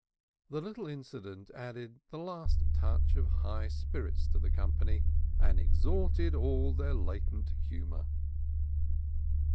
The little incident added the last touch of high spirits to the company and extorted all their latent humor.